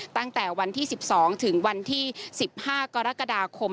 ตั้งแต่วันที่๑๒ถึงวันที่๑๕กรกฎาคม